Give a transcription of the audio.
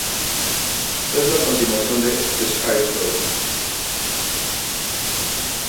Es la continuación de "The Scarecrow"